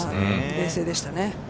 冷静でしたね。